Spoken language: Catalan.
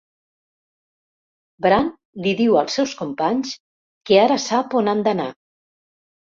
Bran li diu als seus companys que ara sap on han d'anar.